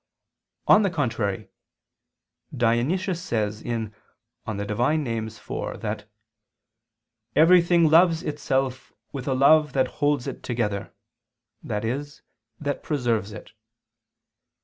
On the contrary, Dionysius says (Div. Nom. iv) that "everything loves itself with a love that holds it together," i.e. that preserves it.